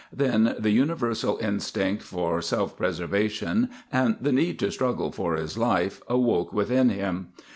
Then the universal instinct for self preservation and the need to struggle for his life awoke within him.